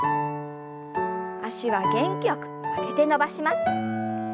脚は元気よく曲げて伸ばします。